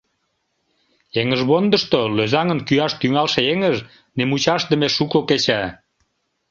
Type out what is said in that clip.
Эҥыжвондышто лӧзаҥын кӱаш тӱҥалше эҥыж нимучашдыме шуко кеча.